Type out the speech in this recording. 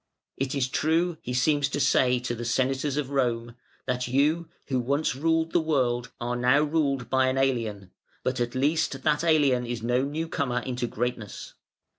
"It is true" he seems to say to the Senators of Rome, "that you, who once ruled the world, are now ruled by an alien; but at least that alien is no new comer into greatness.